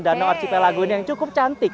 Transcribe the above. danau arcipelago ini yang cukup cantik